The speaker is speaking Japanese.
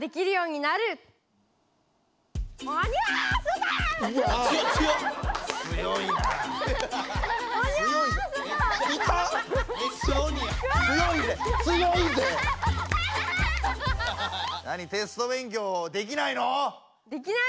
なにテスト勉強できないの？